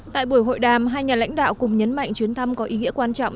tại buổi hội đàm hai nhà lãnh đạo cùng nhấn mạnh chuyến thăm có ý nghĩa quan trọng